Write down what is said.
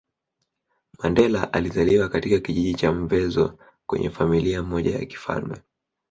Mandela alizaliwa katika kijiji cha Mvezo kwenye Familia moja ya kifalme